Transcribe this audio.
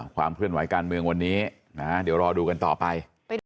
ความเคลื่อนไหวการเมืองวันนี้เดี๋ยวรอดูกันต่อไป